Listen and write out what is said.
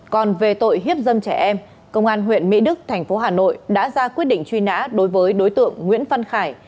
còn về tội hiếp dâm trẻ em công an huyện mỹ đức tp hà nội đã ra quyết định truy nã đối với đối tượng nguyễn phân khải